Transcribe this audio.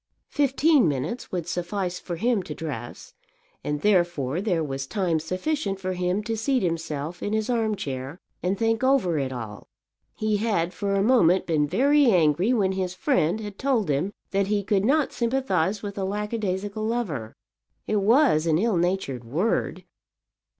Fifteen minutes would suffice for him to dress, and therefore there was time sufficient for him to seat himself in his arm chair and think over it all. He had for a moment been very angry when his friend had told him that he could not sympathize with a lackadaisical lover. It was an ill natured word.